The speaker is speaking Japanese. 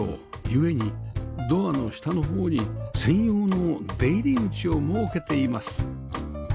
ゆえにドアの下の方に専用の出入り口を設けています